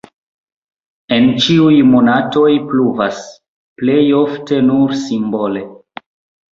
En ĉiuj monatoj pluvas (plej ofte nur simbole).